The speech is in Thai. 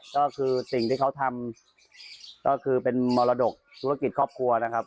ก็คือสิ่งที่เขาทำก็คือเป็นมรดกธุรกิจครอบครัวนะครับ